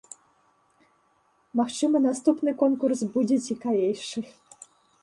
Магчыма, наступны конкурс будзе цікавейшы.